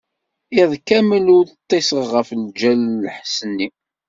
Iḍ kamel ur ṭṭiseɣ ɣef lǧal n lḥess-nni.